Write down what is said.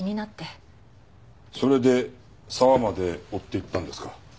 それで沢まで追っていったんですか？